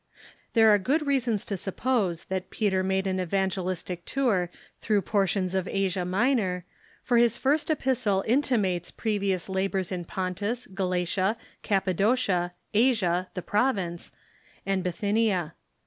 There are good reasons to suppose that Peter made an evangelistic tour through portions of Asia Minor, for his first epistle intimates previous labors in Pontus, Galatia, Cappadocia, Asia (the province), and Bi thynia.